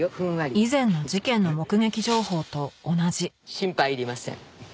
心配いりません。